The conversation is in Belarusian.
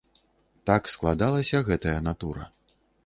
Так складалася гэтая натура.